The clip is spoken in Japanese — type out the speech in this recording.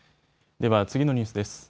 では次のニュースです。